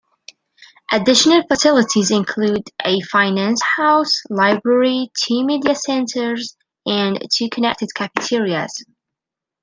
Additional facilities include a finance house, library, two media centres, and two connected cafeterias.